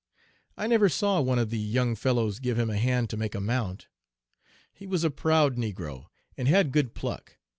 I never saw one of the young fellows give him a hand to make a mount. He was a proud negro, and had good pluck.